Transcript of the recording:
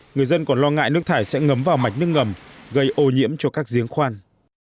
người dân còn lo ngại nước thải sẽ ngấm vào mạch nước ngầm gây ô nhiễm cho các giếng khoan